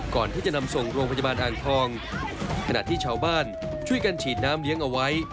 ก่อนที่จะนำส่งโรงพยาบาลอ่างทองขณะที่ชาวบ้านช่วยกันฉีดน้ำเลี้ยงเอาไว้